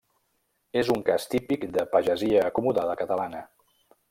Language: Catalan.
És un cas típic de pagesia acomodada catalana.